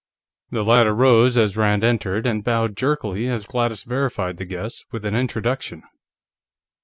The latter rose as Rand entered, and bowed jerkily as Gladys verified the guess with an introduction.